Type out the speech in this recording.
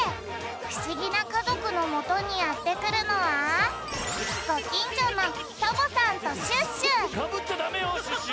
ふしぎなかぞくのもとにやってくるのはサボっちゃダメよシュッシュ！